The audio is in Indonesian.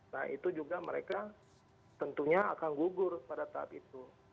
nah itu juga mereka tentunya akan gugur pada saat itu